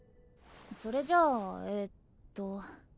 それじゃあえっと。